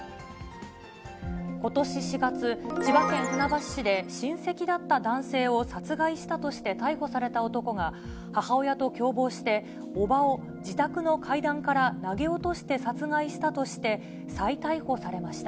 ことし４月、千葉県船橋市で、親戚だった男性を殺害したとして逮捕された男が、母親と共謀して、伯母を自宅の階段から投げ落として殺害したとして、再逮捕されました。